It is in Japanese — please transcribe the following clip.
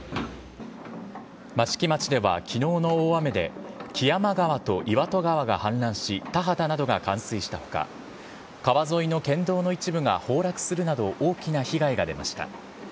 益城町ではきのうの大雨で、木山川と岩戸川が氾濫し、田畑などが冠水したほか、川沿いの県道の一部が崩落するなど大きな被害が出ました。